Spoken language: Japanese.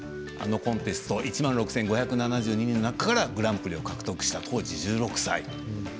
あのコンテスト１万６５７２人の中からグランプリ獲得、当時１６歳。